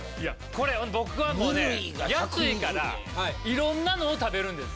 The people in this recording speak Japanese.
これ僕はもうね安いからいろんなのを食べるんです。